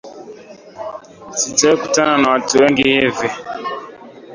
Sijawahi kutana na watu wengi hivi